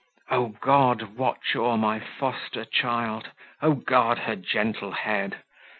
"O God, watch o'er my foster child! O guard her gentle head!